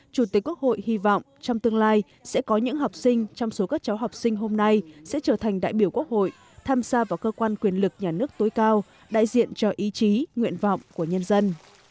chủ tịch quốc hội hy vọng trong tương lai sẽ có những học sinh trong số các cháu học sinh hôm nay sẽ trở thành đại biểu quốc hội tham gia vào cơ quan quyền lực nhà nước tối cao đại diện cho ý chí nguyện vọng của nhân dân